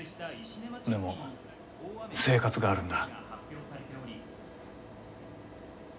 でも生活があるんだ。